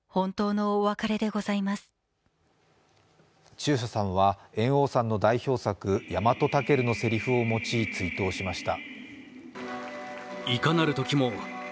中車さんは、猿翁さんの代表作「ヤマトタケル」のせりふを用い追悼しました。